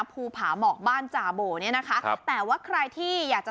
ภูผาหมอกบ้านจาโบเนี่ยนะคะครับแต่ว่าใครที่อยากจะ